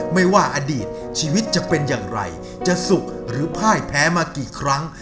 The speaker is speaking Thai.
ไม่ว่าอดีตชีวิตจะเป็นอย่างไรจะสุขหรือพ่ายแพ้มากี่ครั้ง